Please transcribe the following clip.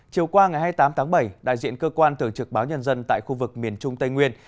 chiều qua ngày hai mươi tám tháng bảy đại diện cơ quan thường trực báo nhân dân tại khu vực miền trung tây nguyên